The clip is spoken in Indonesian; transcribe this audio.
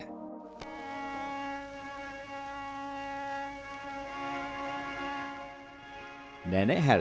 pertama pangeran harry mengenakan gaun pengantin yang akan dikenakan pangeran markle